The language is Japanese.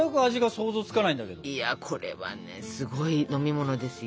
いやこれはねすごい飲み物ですよ。